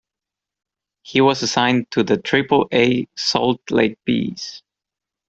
He was assigned to the Triple-A Salt Lake Bees.